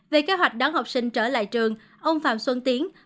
về kế hoạch đón học sinh trở lại trường ông phạm xuân tiến